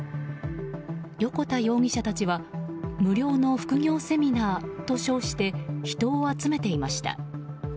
横田容疑者たちは無料の副業セミナーと称して人を集めていました。